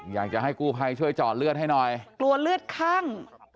อยากจะให้กู้ภัยช่วยเจาะเลือดให้หน่อยกลัวเลือดคั่ง